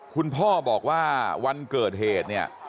คุณพ่อบอกว่าวันเกิดเหตุ